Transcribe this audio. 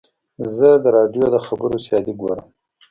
زه د راډیو د خبرو سیالۍ ګورم.